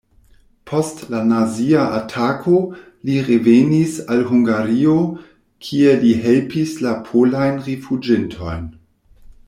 Post la nazia atako li revenis al Hungario, kie li helpis la polajn rifuĝintojn.